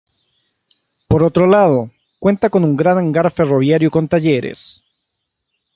Por otro lado, cuenta con un gran hangar ferroviario con talleres.